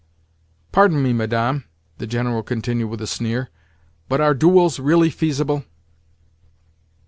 "Pardon me, Madame," the General continued with a sneer, "but are duels really feasible?"